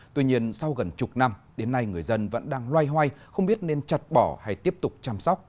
tuy nhiên sau gần chục năm đến nay người dân vẫn đang loay hoay không biết nên chặt bỏ hay tiếp tục chăm sóc